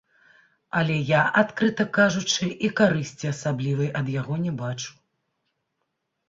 Але я, адкрыта кажучы, і карысці асаблівай ад яго не бачу.